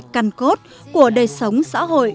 căn cốt của đời sống xã hội